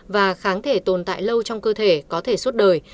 và kháng thể tồn tại lâu trong cơ thể có thể suốt đời